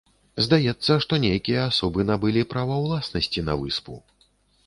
Здаецца, што нейкія асобы набылі права ўласнасці на выспу.